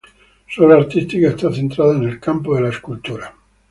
Su obra artística está centrada en el campo de la escultura.